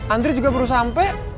antri juga baru sampe